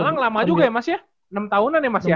memang lama juga ya mas ya enam tahunan ya mas ya